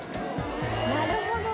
「なるほど」